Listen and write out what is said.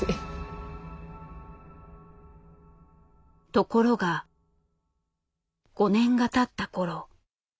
ところが５年がたった頃。